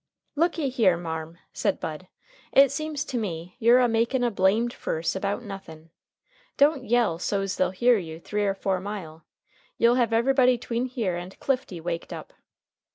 "Looky here, marm," said Bud, "it seems to me you're a makin' a blamed furss about nothin'. Don't yell so's they'll hear you three or four mile. You'll have everybody 'tween here and Clifty waked up."